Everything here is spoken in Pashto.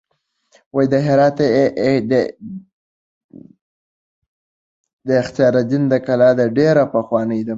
د هرات اختیار الدین کلا ډېره پخوانۍ ده.